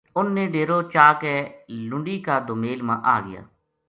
انھ نے ڈیرو چا کے لُنڈی کا دومیل ما آ گیا